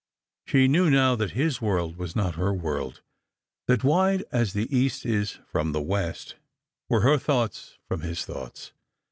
She knew now that his world was not her world ; that wide as the east is from the west were his thoughts from her thoughts.